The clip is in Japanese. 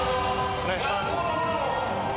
お願いします。